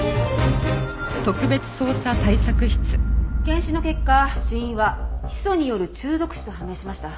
検視の結果死因はヒ素による中毒死と判明しました。